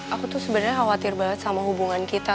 aku tuh sebenarnya khawatir banget sama hubungan kita